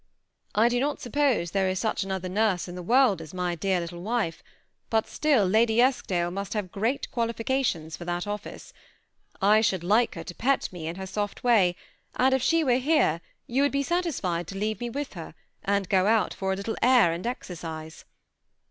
^ I do not suppose there is such another nurse in the world as my dear little wife; but still, Lady Eskdale must have great qualifications for that office. I should like her to pet me in her soft way ; and if she were here, you would be satisfied to leave me with her, and go out for a little air and exercise."